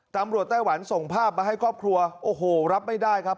ไต้หวันส่งภาพมาให้ครอบครัวโอ้โหรับไม่ได้ครับ